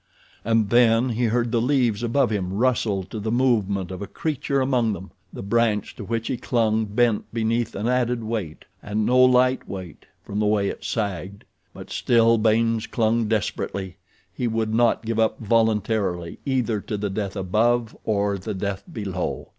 And then he heard the leaves above him rustle to the movement of a creature among them. The branch to which he clung bent beneath an added weight—and no light weight, from the way it sagged; but still Baynes clung desperately—he would not give up voluntarily either to the death above or the death below.